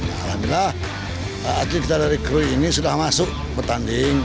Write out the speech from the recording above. alhamdulillah atlet kita dari kui ini sudah masuk pertanding